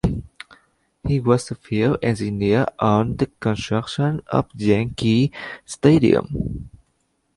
He was a field engineer on the construction of Yankee Stadium.